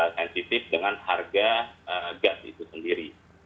sensitif dengan harga gas itu sendiri